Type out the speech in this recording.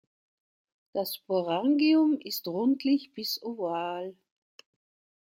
Das Sporangium ist rundlich bis oval.